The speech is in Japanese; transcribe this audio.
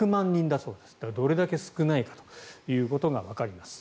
だから、どれだけ少ないかということがわかります。